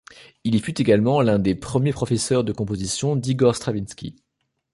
Il y fut également l'un des premiers professeurs de composition d'Igor Stravinsky.